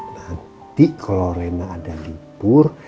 nanti kalau rema ada libur